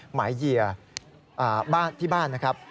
หมายเหยียที่บ้านนะครับ